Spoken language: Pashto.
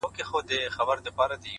• په رڼا كي يې پر زړه ځانمرگى وسي،